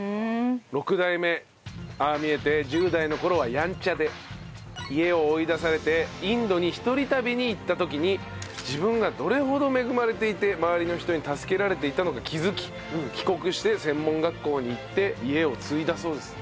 六代目ああ見えて１０代の頃はやんちゃで家を追い出されてインドに一人旅に行った時に自分がどれほど恵まれていて周りの人に助けられていたのか気づき帰国して専門学校に行って家を継いだそうです。